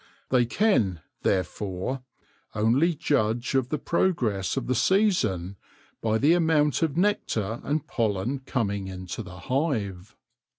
They can, therefore, only judge of the progress of the season by the amount of nectar and pollen coming into the hive.